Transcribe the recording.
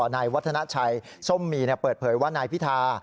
นายวัฒนาชัยส้มมีเปิดเผยว่านายพิธา